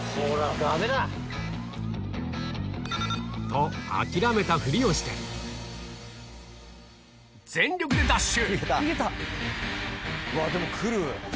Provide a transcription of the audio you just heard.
と、諦めたふりをして、全力でダッシュ。